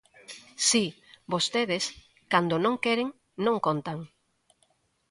Si, vostedes, cando non queren, non contan.